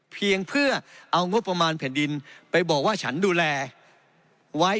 เพียงเพื่อเอางบประมาณแผ่นดินไปบอกว่าฉันดูแลไว้